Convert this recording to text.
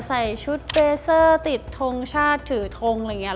ใส่ชุดเรเซอร์ติดทงชาติถือทงอะไรอย่างนี้